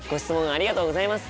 ありがとうございます！